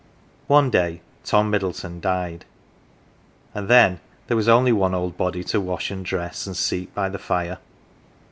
One day Tom Middleton died ; and then there was only one old body to wash and dress, and seat by the fire.